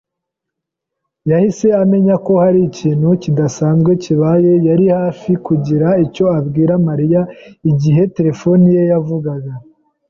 yahise amenya ko hari ikintu kidasanzwe kibaye. yari hafi kugira icyo abwira Mariya igihe terefone ye yavugaga.